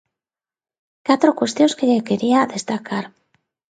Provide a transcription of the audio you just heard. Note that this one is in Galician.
Catro cuestións que lle quería destacar.